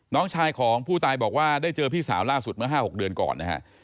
น้องชายของผู้ตายบอกว่าได้เจอพี่สาวล่าสุดเมื่อ๕๖เดือนก่อนนะฮะ